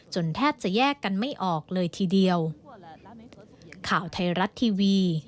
แทบจะแยกกันไม่ออกเลยทีเดียว